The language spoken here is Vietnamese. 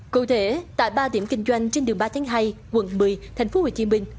cụ thể tại ba điểm kinh doanh trên đường ba thánh hay quận một mươi tp hcm